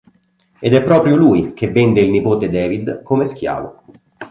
Ed è proprio lui che vende il nipote David, come schiavo.